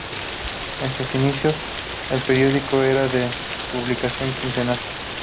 En sus inicios, el periódico era de publicación quincenal.